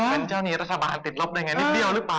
เป็นเจ้าหนี้รัฐบาลติดลบได้ไงนิดเดียวหรือเปล่า